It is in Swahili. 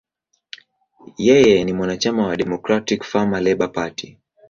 Yeye ni mwanachama wa Democratic–Farmer–Labor Party.